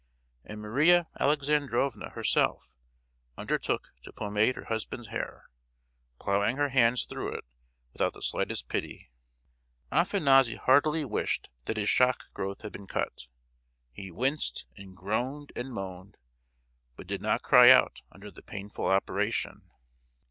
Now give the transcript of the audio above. And Maria Alexandrovna herself undertook to pomade her husband's hair, ploughing her hands through it without the slightest pity. Afanassy heartily wished that his shock growth had been cut. He winced, and groaned and moaned, but did not cry out under the painful operation.